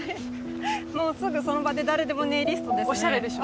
もうすぐその場で誰でもネイリストですね。